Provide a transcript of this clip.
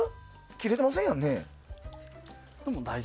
切れてませんよね？